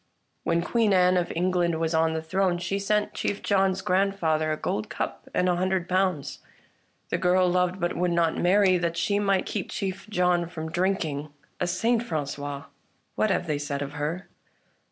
When Queen Anne of England was on the throne she sent Chief John's grandfather a gold cup and a hundred pounds. The girl loved, but would not marry, that she might keep Chief John from drinking. A saint, Frangois ! What have they said of her